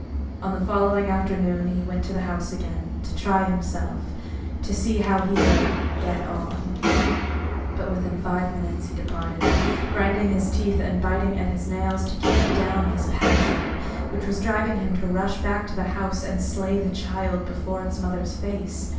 On the following afternoon he went to the house again, to try himself — to see how he would " get on "; but within five minutes he departed, grinding his teeth and biting at his ORIGINAL SIN. 117 nails to keep down his passion, which was driving him to rush back to the house and slay the child before its mother's face.